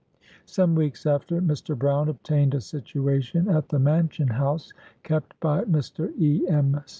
Some weeks after, Mr. Brown obtained a situation at the Mansion House, kept by Mr. E. M.